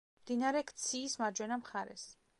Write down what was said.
მდინარე ქციის მარჯვენა მხარეს.